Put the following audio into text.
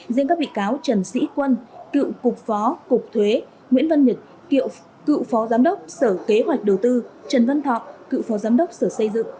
riêng các bị cáo trần sĩ quân cựu cục phó cục thuế nguyễn văn nhật cựu phó giám đốc sở kế hoạch đầu tư trần văn thọ cựu phó giám đốc sở xây dựng